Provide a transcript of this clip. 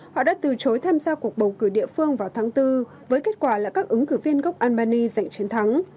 họ đã từ chối tham gia cuộc bầu cử địa phương vào tháng bốn với kết quả là các ứng cử viên gốc albany giành chiến thắng